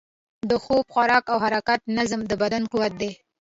د خوب، خوراک او حرکت نظم، د بدن قوت دی.